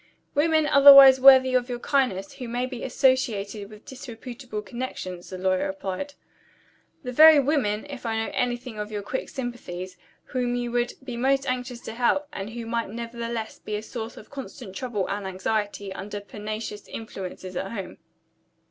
"Women, otherwise worthy of your kindness, who may be associated with disreputable connections," the lawyer replied. "The very women, if I know anything of your quick sympathies, whom you would be most anxious to help, and who might nevertheless be a source of constant trouble and anxiety, under pernicious influences at home."